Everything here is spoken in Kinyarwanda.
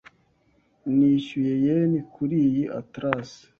Nishyuye yen kuriyi atlas .